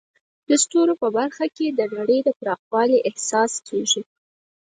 د ستورو په بڼه کې د نړۍ د پراخوالي احساس کېږي.